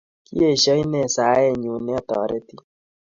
Kiesho inet saet nyu ne atoreti